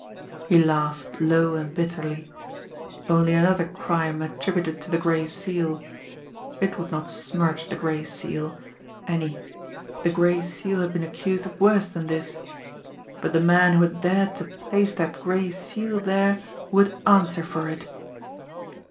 He laughed low and bitterly. Only another crime attributed to the Gray Seal! It would not smirch the Gray Seal any the Gray Seal had been accused of worse than this! But the man who had dared to place that gray seal there would answer for it!